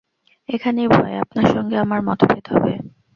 এখানেই ভয়, আপনার সঙ্গে আমার মতভেদ হবে।